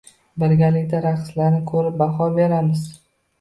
Birgalikda raqslarni ko‘rib baho beramiz.